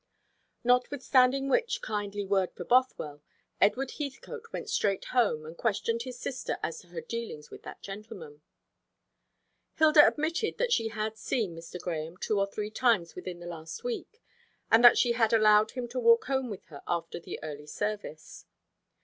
Notwithstanding which kindly word for Bothwell, Edward Heathcote went straight home and questioned his sister as to her dealings with that gentleman. Hilda admitted that she had seen Mr. Grahame two or three times within the last week, and that she had allowed him to walk home with her after the early service.